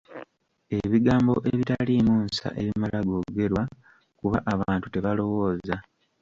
Ebigambo ebitaliimu nsa ebimala googerwa, kuba abantu tebalowooza.